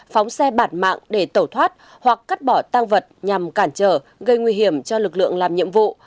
phóng xe bạt mạng để tẩu thoát hoặc cắt bỏ tăng vật nhằm cản trở gây nguy hiểm cho lực lượng làm nhiệm vụ